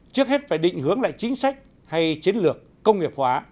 trước hết phải định hướng lại chính sách hay chiến lược công nghiệp hóa